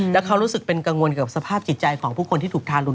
แล้วเขารู้สึกเป็นกังวลกับสภาพจิตใจของผู้คนที่ถูกทารุณ